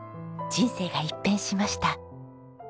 人生が一変しました。